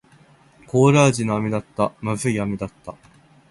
コーラ味の飴だった。不味い飴だった。